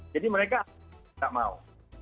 jadi mereka tidak mau